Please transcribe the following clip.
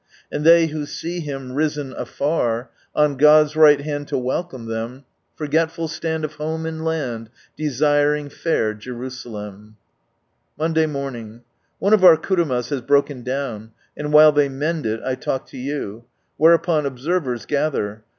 And they who see Him, risen afar, On God's right hand to welcome Ihem, Forgetful stand of home and land, Desiring fair Jeruialcm I " ^V Monday ww/'wiw^.— One of our kurumas has broken down, and while they mend ^M it, I talk to you. Whereupon observers gather.